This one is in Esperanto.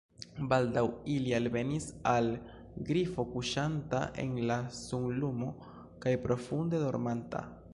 Baldaŭ ili alvenis al Grifo kuŝanta en la sunlumo kaj profunde dormanta.